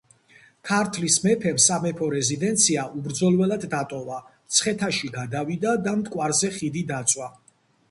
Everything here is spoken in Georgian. ქართლის მეფემ სამეფო რეზიდენცია უბრძოლველად დატოვა, მცხეთაში გადავიდა და მტკვარზე ხიდი დაწვა.